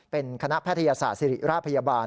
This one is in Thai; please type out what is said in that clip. เป็นคณะแพทยศาสตร์ศิริราชพยาบาล